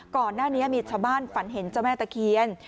ก่อนหน้านี้มีชาวบ้านฝันเห็นเจ้าแม่ตะเคียน